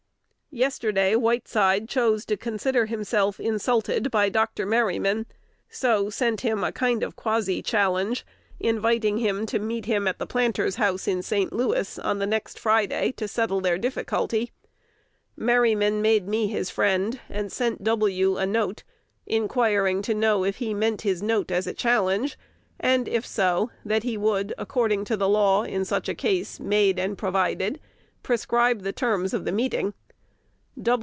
Yesterday Whiteside chose to consider himself insulted by Dr. Merryman, so sent him a kind of quasi challenge, inviting him to meet him at the Planter's House in St. Louis, on the next Friday, to settle their difficulty. Merryman made me his friend, and sent W. a note, inquiring to know if he meant his note as a challenge, and, if so, that he would, according to the law in such case made and provided, prescribe the terms of the meeting.